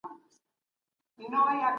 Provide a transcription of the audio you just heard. په وروسته پاته هېوادونو کي مهارتونه محدود وي.